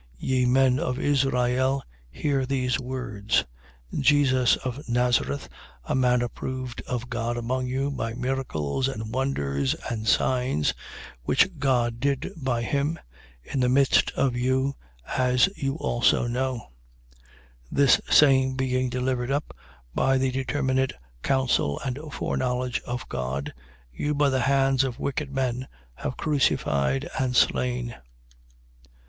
2:22. Ye men of Israel, hear these words: Jesus of Nazareth, a man approved of God among you by miracles and wonders and signs, which God did by him, in the midst of you, as you also know: 2:23. This same being delivered up, by the determinate counsel and foreknowledge of God, you by the hands of wicked men have crucified and slain.